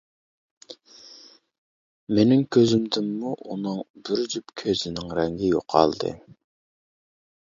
مېنىڭ كۆزۈمدىنمۇ ئۇنىڭ بىر جۈپ كۆزىنىڭ رەڭگى يوقالدى.